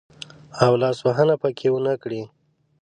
او لاس وهنه پکښې ونه کړي.